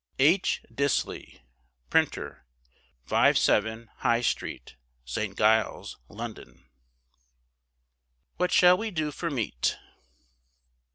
H. Disley, Printer, 57, High Street, St. Giles, London. WHAT SHALL WE DO FOR MEAT!